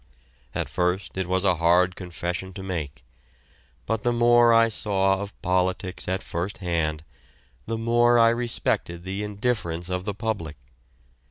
At first it was a hard confession to make, but the more I saw of politics at first hand, the more I respected the indifference of the public.